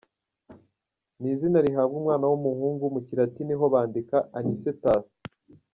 Ni izina rihabwa umwana w’umuhungu, mu Kilatini ho bandika Anicetus.